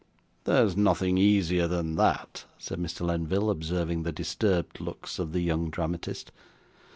'There's nothing easier than that,' said Mr. Lenville, observing the disturbed looks of the young dramatist.